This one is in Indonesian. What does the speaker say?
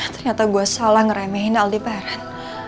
ternyata gua salah nge remyahin aldi baran